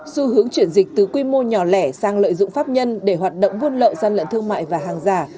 xu hướng chuyển dịch từ quy mô nhỏ lẻ sang lợi dụng pháp nhân để hoạt động buôn lậu gian lận thương mại và hàng giả